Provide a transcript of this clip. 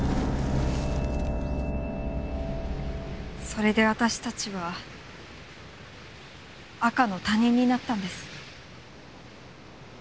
それで私たちは赤の他人になったんです。